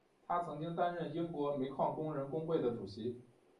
他曾经担任英国煤矿工人工会的主席。